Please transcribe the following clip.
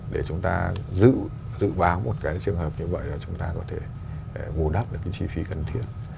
để chúng ta dự báo một cái trường hợp như vậy là chúng ta có thể ngủ đắp được cái chi phí cần thiết